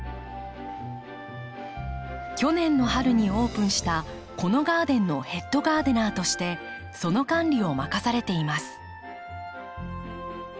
去年の春にオープンしたこのガーデンのヘッドガーデナーとしてその管理を任されています。